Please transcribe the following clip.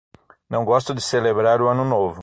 Não gosto de celebrar o ano novo